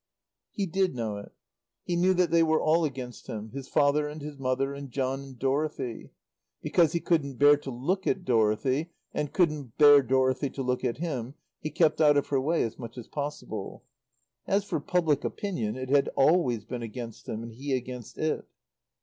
He did know it. He knew that they were all against him; his father and his mother, and John and Dorothy. Because he couldn't bear to look at Dorothy, and couldn't bear Dorothy to look at him, he kept out of her way as much as possible. As for public opinion, it had always been against him, and he against it.